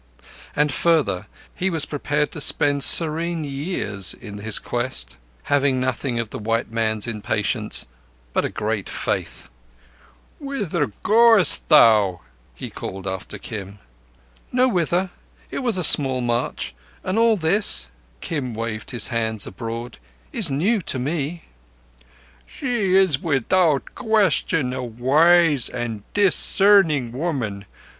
And further, he was prepared to spend serene years in his quest; having nothing of the white man's impatience, but a great faith. "Where goest thou?" he called after Kim. "Nowhither—it was a small march, and all this"—Kim waved his hands abroad—"is new to me." "She is beyond question a wise and a discerning woman.